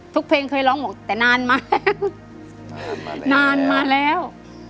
ทุกเพลงเพลงหรอกแต่นานมาแล้ว